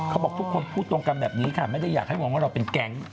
เขาบอกทุกคนพูดตรงกันแบบนี้ค่ะไม่ได้อยากให้มองว่าเราเป็นแก๊ง